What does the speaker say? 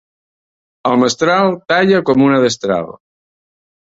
El mestral talla com una destral.